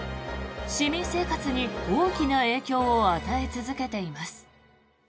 市民生活に大きな影響を与え続けています。